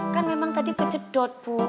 kan memang tadi kejedot bu